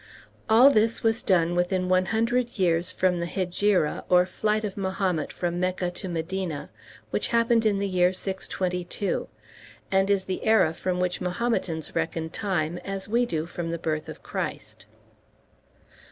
All this was done within one hundred years from the Hegira, or flight of Mahomet from Mecca to Medina, which happened in the year 622, and is the era from which Mahometans reckon time, as we do from the birth of Christ.